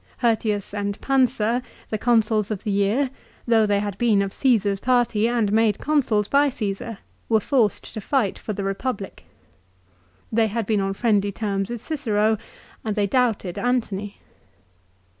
Hirtius and Pansa, the Consuls of the year, though they had been of Caesar's party and made Consuls by Caesar, were forced to fight for the Eepublic. They had been on friendly terms with Cicero, and they doubted Antony.